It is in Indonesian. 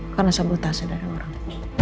karena sebutase dari orang